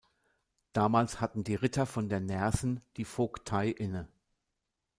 Damals hatten die Ritter von der Neersen die Vogtei inne.